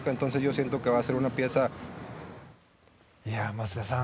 増田さん